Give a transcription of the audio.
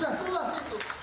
sudah selesai itu